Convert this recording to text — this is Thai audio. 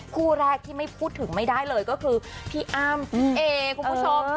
คู่แรกที่ไม่พูดถึงไม่ได้เลยก็คือพี่อ้ำพี่เอคุณผู้ชม